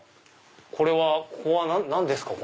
これはここは何ですか？